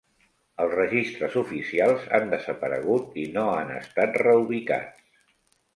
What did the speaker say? Els registres oficials han desaparegut i no han estat reubicats.